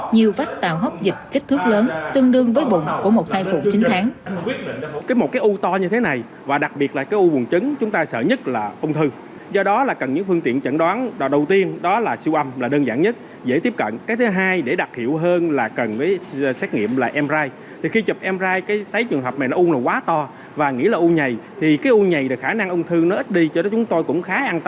nhiều vách tạo hốc dịch kích thước lớn tương đương với bụng của một thai phụ chín tháng